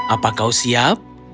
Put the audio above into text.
apa kau siap